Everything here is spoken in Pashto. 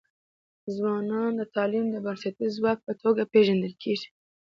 ځوانان د تعلیم د بنسټیز ځواک په توګه پېژندل کيږي.